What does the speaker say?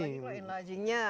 apalagi kalau enlargingnya